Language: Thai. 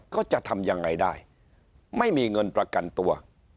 ก็จะทำยังไงได้ไม่มีเงินประกันตัว